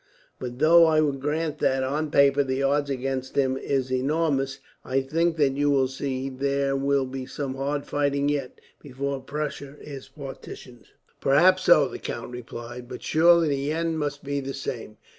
But though I grant that, on paper, the odds against him is enormous, I think that you will see there will be some hard fighting yet, before Prussia is partitioned." "Perhaps so," the count replied; "but surely the end must be the same.